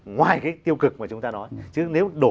ngoài cái tiêu cực mà chúng ta nói chứ nếu đổ